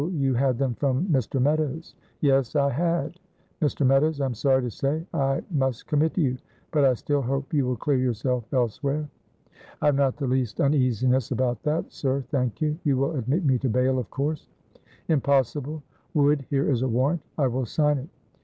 you had them from Mr. Meadows?" "Yes, I had!" "Mr. Meadows, I am sorry to say I must commit you; but I still hope you will clear yourself elsewhere." "I have not the least uneasiness about that, sir, thank you. You will admit me to bail, of course?" "Impossible! Wood, here is a warrant, I will sign it."